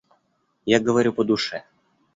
Я говорю по душе.